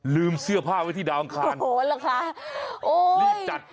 ลืมเสื้อผ้าไว้ที่ดาวอังคาร